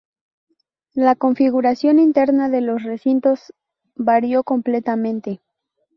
La configuración interna de los recintos varió completamente.